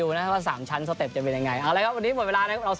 โอเค